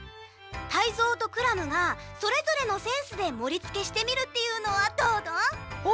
タイゾウとクラムがそれぞれのセンスでもりつけしてみるっていうのはどうドン？